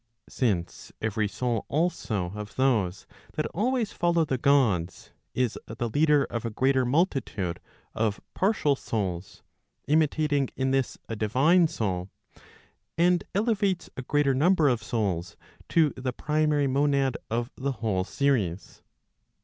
Since every soul also of those that always follow the Gods, is the leader of a greater multitude of partial souls, imitating in this a divine soul; and elevates a greater number of souls to the primary monad of the whole series.